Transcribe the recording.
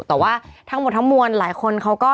แต่ว่าทางบทมวลหลายคนเขาก็